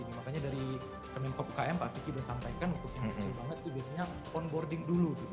makanya dari kementerian komunikasi umkm pak aviki bersampaikan untuk yang kecil banget itu biasanya onboarding dulu gitu